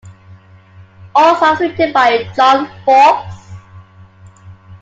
All songs written by John Foxx.